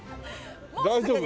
大丈夫？